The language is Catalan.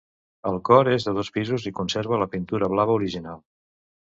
El cor és de dos pisos i conserva la pintura blava original.